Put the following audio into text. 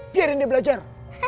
biarin dia belajar